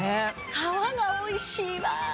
皮がおいしいわ！